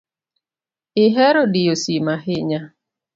Ihero diyo simu ahinya.